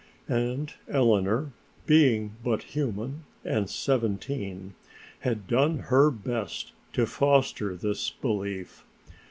And Eleanor, being but human and seventeen, had done her best to foster this belief.